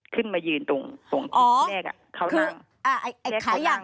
ขึ้นมายืนตรงที่แน่กเขานั่ง